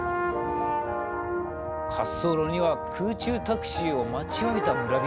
滑走路には空中タクシーを待ちわびた村人たち。